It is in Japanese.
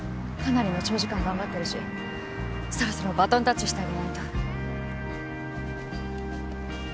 かなりの長時間頑張ってるしそろそろバトンタッチしてあげないと。